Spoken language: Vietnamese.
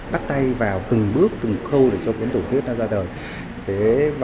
bắt tay vào từng bước từng khâu để cho cuốn tiểu thuyết ra đời